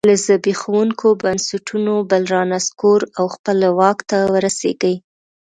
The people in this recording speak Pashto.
له زبېښونکو بنسټونو بل رانسکور او خپله واک ته ورسېږي